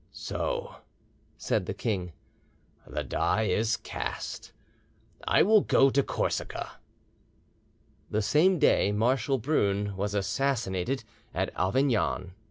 "So," said the king, "the die is cast. I will go to Corsica." The same day Marshal Brune was assassinated at Avignon.